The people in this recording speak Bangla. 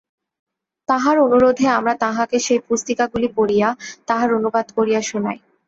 তাঁহার অনুরোধে আমরা তাঁহাকে সেই পুস্তিকাগুলি পড়িয়া তাহার অনুবাদ করিয়া শুনাই।